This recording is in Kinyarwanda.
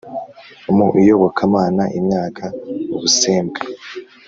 Mu iyobokamana imyaka ubusembwa